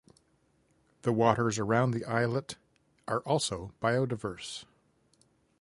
The waters around the islet are also biodiverse.